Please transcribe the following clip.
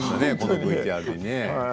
ＶＴＲに。